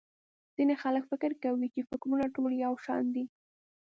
ځينې خلک فکر کوي چې٫ فکرونه ټول يو شان دي.